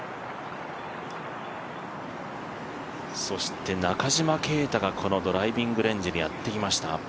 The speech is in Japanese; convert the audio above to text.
そして、中島啓太がこのドライビングレンジにやってきました。